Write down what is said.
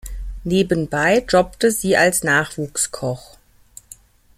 Nebenbei jobbte sie als Nachwuchs-Koch.